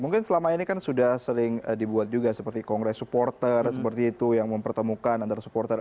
mungkin selama ini kan sudah sering dibuat juga seperti kongres supporter seperti itu yang mempertemukan antar supporter